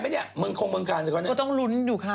ปีนี้หลอนจะได้ไปไหมเนี่ยก็ต้องยุ่นดูค่ะ